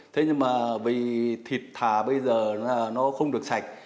thế nhưng mà vì thịt thà bây giờ là nó không được sạch